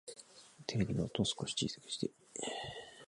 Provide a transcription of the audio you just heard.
テレビの音、少し小さくして